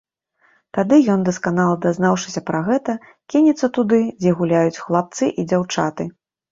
Тады ён, дасканала дазнаўшыся пра гэта, кінецца туды, дзе гуляюць хлапцы і дзяўчаты.